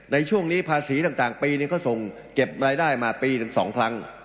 ในช่วงนี้ภาษีต่างปีนี้ก็ส่งเก็บรายได้มาปีถึง๒ครั้ง